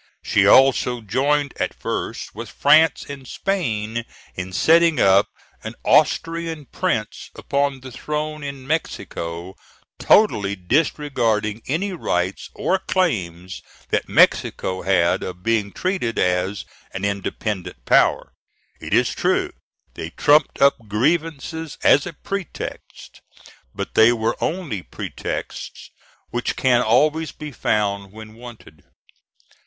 She also joined, at first, with France and Spain in setting up an Austrian prince upon the throne in Mexico, totally disregarding any rights or claims that Mexico had of being treated as an independent power. It is true they trumped up grievances as a pretext, but they were only pretexts which can always be found when wanted.